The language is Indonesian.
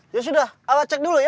ya sudah awal cek dulu ya